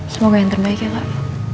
semoga yang terbaik ya pak